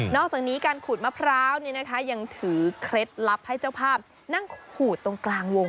อกจากนี้การขูดมะพร้าวยังถือเคล็ดลับให้เจ้าภาพนั่งขูดตรงกลางวง